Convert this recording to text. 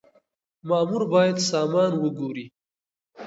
مامور بايد سامان وګوري.